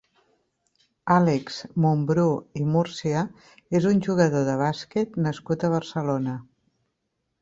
Àlex Mumbrú i Múrcia és un jugador de bàsquet nascut a Barcelona.